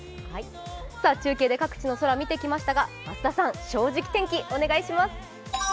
中継で各地の空を見てきましたが、増田さん、「正直天気」お願いします。